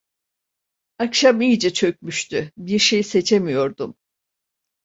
Akşam iyice çökmüştü. Bir şey seçemiyordum.